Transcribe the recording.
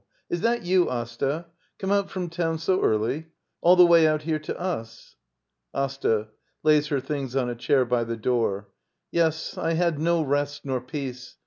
Is that you, Asta? G)me out fronn town so early? All the way out here to us? Asta. [Lays her things on a chair by the door.] Yes, I had no rest nor peace.